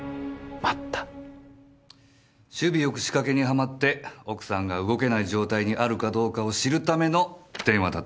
首尾よく仕掛けにはまって奥さんが動けない状態にあるかどうかを知るための電話だった。